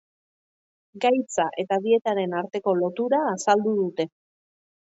Gaitza eta dietaren arteko lotura azaldu dute.